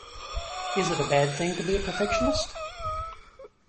Is it a bad thing to be a perfectionist?